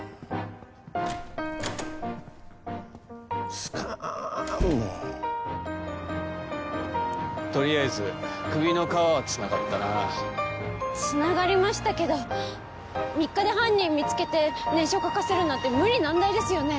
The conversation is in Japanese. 好かんもうとりあえず首の皮はつながったなつながりましたけど３日で犯人見つけて念書を書かせるなんて無理難題ですよね